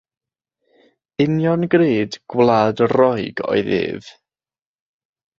Uniongred Gwlad Roeg oedd ef.